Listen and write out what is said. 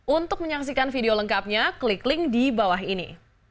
untuk menyaksikan video lengkapnya klik link di bawah ini